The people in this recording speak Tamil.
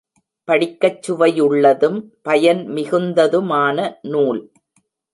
படிக்கச்சுவையுள்ளதும் பயன் மிகுந்ததுமான நூல்.